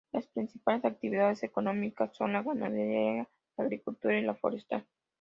Las principales actividades económicas son la ganadería, la agricultura y la forestal.